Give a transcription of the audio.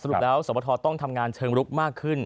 แล้วสวบทต้องทำงานเชิงลุกมากขึ้น